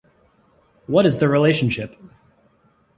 What is the relationship?